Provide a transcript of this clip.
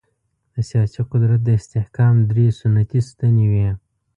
د سیاسي قدرت د استحکام درې سنتي ستنې وې.